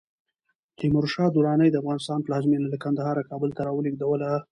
تیمور شاه دراني د افغانستان پلازمېنه له کندهاره کابل ته راولېږدوله.